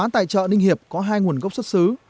tại chợ ninh hiệp có hai nguồn gốc xuất xứ